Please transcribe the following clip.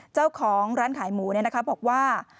เจ้าของร้านขายหมูนะครับบอกว่า